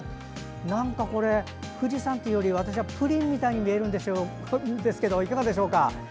何か、富士山というより私はプリンみたいに見えますがいかがでしょうか。